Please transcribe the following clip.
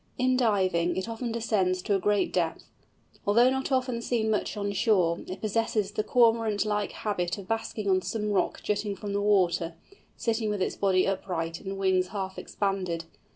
In diving, it often descends to a great depth. Although not often seen much on shore, it possesses the Cormorant like habit of basking on some rock jutting from the water, sitting with its body upright and wings half expanded.